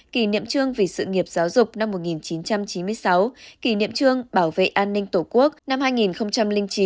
kỷ niệm chương về sự nghiệp giáo dục năm một nghìn chín trăm chín mươi sáu kỷ niệm chương bảo vệ an ninh tổ quốc năm hai nghìn chín